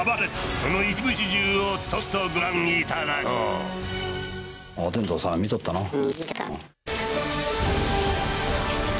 その一部始終をとくとご覧いただこう。